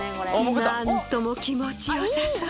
なんとも気持ち良さそう！